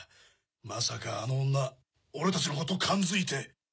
まさかあの女俺たちのこと感づいて。